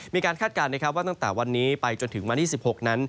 มีการคาดการณ์ว่าตั้งแต่วันนี้ไปจนถึงมาที่๑๖นั้น